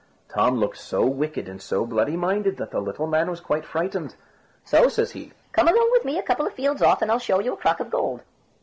Tom looked so wicked and so bloody minded that the little man was quite frightened; so says he, "Come along with me a couple of fields off, and I'll show you a crock of gold."